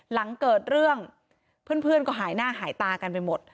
หลังเกิดเรื่องเพื่อนก็หายหน้าหายตากันไปหมด